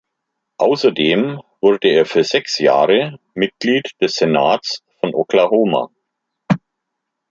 Außerdem wurde er für sechs Jahre Mitglied des Senats von Oklahoma.